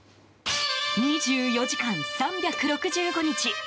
２４時間３６５日